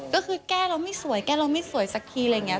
ก็คือแก้เราไม่สวยแก้เราไม่สวยสักทีอะไรอย่างนี้